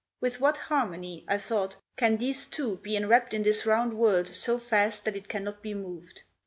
With what Harmony —I thought—can these two be enwrapped in this round world so fast that it cannot be moved!